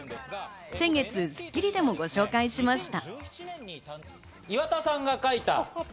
先月『スッキリ』でもご紹介しました。